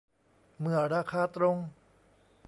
เมื่อราคาตรง